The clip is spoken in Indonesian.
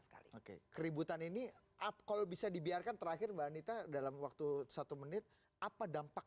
sekali oke keributan ini kalau bisa dibiarkan terakhir mbak anita dalam waktu satu menit apa dampak